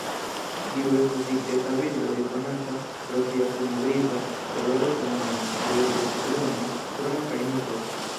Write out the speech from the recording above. Tiu estas diketa birdo rekonata pro sia fumo-griza koloro kun ruĝec-brunaj krono kaj nuko.